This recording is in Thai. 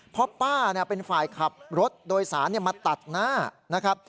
เพราะเป็นฝ่ายขับรถโดยสารมาตัดหน้า